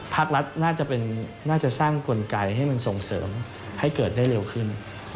ภาครัฐน่าจะสร้างกลไกให้มันส่งเสริมให้เกิดได้เร็วขึ้น